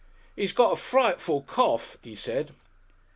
"He's got a frightful cough," he said.